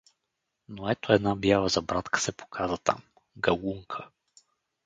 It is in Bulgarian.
Но ето една бяла забрадка се показа там — Галунка.